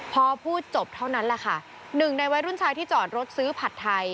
พอพูดจบเท่านั้นแหละค่ะหนึ่งในวัยรุ่นชายที่จอดรถซื้อผัดไทย